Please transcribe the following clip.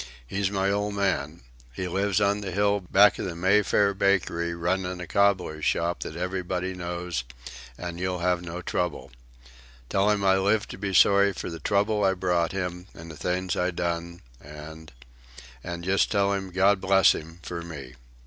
He's my old man. He lives on the Hill, back of the Mayfair bakery, runnin' a cobbler's shop that everybody knows, and you'll have no trouble. Tell him I lived to be sorry for the trouble I brought him and the things I done, and—and just tell him 'God bless him,' for me."